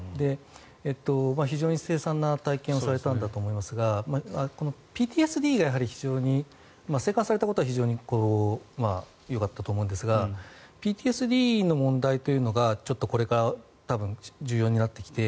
非常にせい惨な体験をされたんだと思いますがこのＰＴＳＤが生還されたことは非常によかったと思うんですがＰＴＳＤの問題というのがこれから多分重要になってきて